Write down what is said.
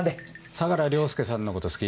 相良凌介さんのこと好き？